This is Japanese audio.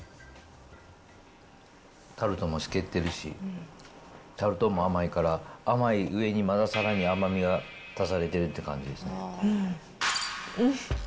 タルトもしけってるし、タルトも甘いから、甘い上にまださらに甘みが足されてるって感じですね。